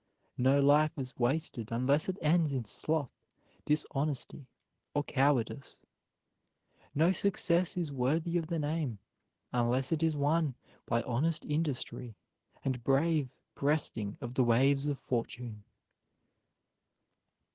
No life is wasted unless it ends in sloth, dishonesty, or cowardice. No success is worthy of the name unless it is won by honest industry and brave breasting of the waves of fortune."